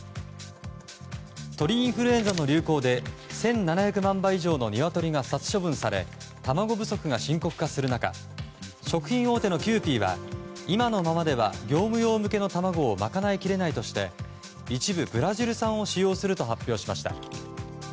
鳥インフルエンザの流行で１７００万羽以上の鶏が殺処分され卵不足が深刻化する中食品大手のキユーピーは今のままでは業務用向けの卵を賄いきれないとして一部、ブラジル産を使用すると発表しました。